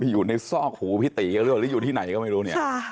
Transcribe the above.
ไปอยู่ในซอกหูพี่ตี๊ก็รู้หรือหรืออยู่ที่ไหนก็ไม่รู้เนี่ย